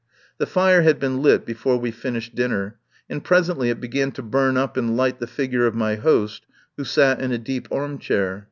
The fire had been lit before we finished dinner, and presently it began to burn up and light the figure of my host, who sat in a deep arm chair.